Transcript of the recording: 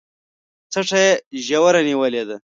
څټه يې ژوره نيولې ده